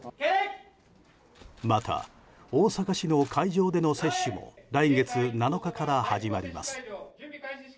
また大阪市の会場での接種も来月７日から始まります。